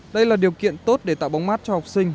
đây là điều kiện tốt để tạo bóng mát cho học sinh